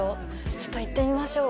ちょっと行ってみましょう。